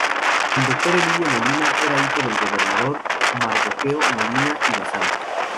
El Dr. Emilio Molina era hijo del gobernador Mardoqueo Molina y Bazán.